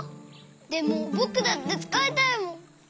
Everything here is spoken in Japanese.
でもぼくだってつかいたいもん。